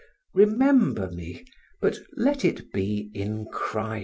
Remember me, but let it be in Christ!